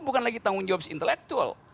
bukan lagi tanggung jawab intelektual